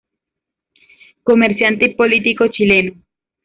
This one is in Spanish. Comerciante y político chileno.